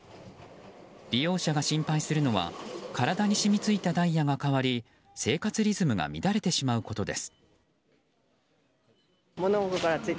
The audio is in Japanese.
利用者が心配するのは体に染みついたダイヤが変わり生活リズムが乱れてしまうことです。